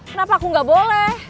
kenapa aku nggak boleh